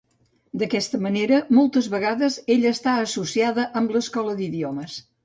D"aquesta manera, moltes vegades ella està associada amb l"Escola d"idiomes.